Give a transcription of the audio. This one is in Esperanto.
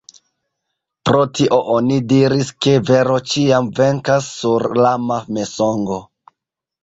Pro tio oni diris ke vero ĉiam Venkas sur lama Mensogo.